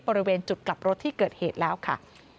บริเวณจุดกลับรถที่เกิดเหตุแล้วค่ะ